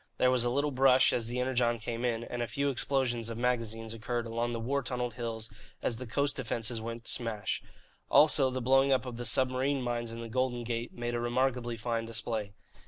There was a little brush as the Energon came in, and a few explosions of magazines occurred along the war tunnelled hills as the coast defences went to smash. Also, the blowing up of the submarine mines in the Golden Gate made a remarkably fine display.